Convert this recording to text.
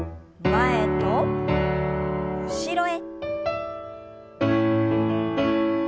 前と後ろへ。